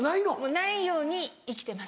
ないように生きてます。